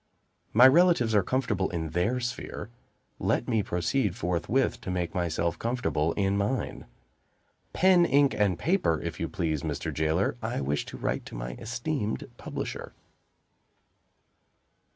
My relatives are comfortable in their sphere let me proceed forthwith to make myself comfortable in mine. Pen, ink, and paper, if you please, Mr. Jailer: I wish to write to my esteemed publisher.